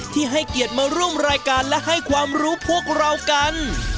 ให้เกียรติมาร่วมรายการและให้ความรู้พวกเรากัน